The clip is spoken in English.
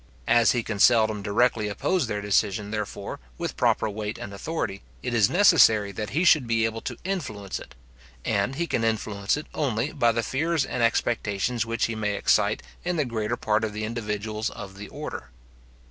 As he can seldom directly oppose their decision, therefore, with proper weight and authority, it is necessary that he should be able to influence it; and he can influence it only by the fears and expectations which he may excite in the greater part of the individuals of the order.